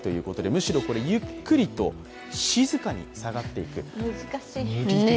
むしろ、ゆっくりと静かに下がっていく。